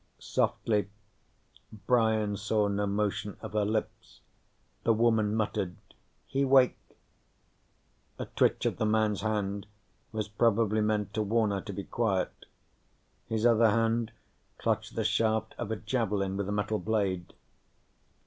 Softly Brian saw no motion of her lips the woman muttered: "He wake." A twitch of the man's hand was probably meant to warn her to be quiet. His other hand clutched the shaft of a javelin with a metal blade.